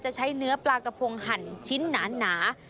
ใช้เนื้อปลากระพงหั่นชิ้นหนา